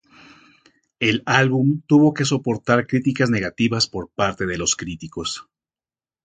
El álbum tuvo que soportar críticas negativas por parte de los críticos.